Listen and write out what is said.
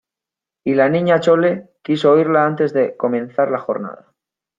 y la Niña Chole quiso oírla antes de comenzar la jornada.